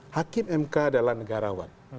hakim mk adalah negarawan